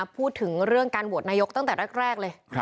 พูดถึงเรื่องการโหวตนายกตั้งแต่แรกเลย